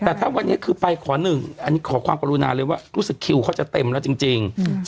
แต่ถ้าวันนี้คือไปขอหนึ่งอันนี้ขอความกรุณาเลยว่ารู้สึกคิวเขาจะเต็มแล้วจริง